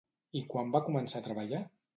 I quan va començar a treballar?